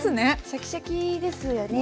シャキシャキですよね。